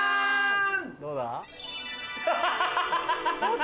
どうだ？